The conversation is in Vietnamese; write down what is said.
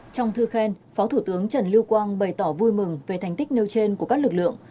trong thư khen phó thủ tướng trần lưu quang bày tỏ vui mừng về thành tích nêu trên của các lực lượng